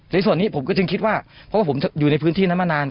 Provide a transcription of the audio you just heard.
ในส่วนนี้ผมก็จึงคิดว่าเพราะว่าผมอยู่ในพื้นที่นั้นมานาน